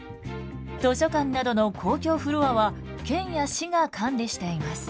図書館などの公共フロアは県や市が管理しています。